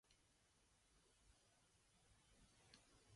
The process of development goes on as at present.